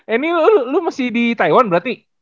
eh ini lu masih di taiwan berarti